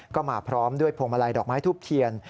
ก็มาพร้อมด้วยพวงมาลัยดอกไม้ทูบเทียน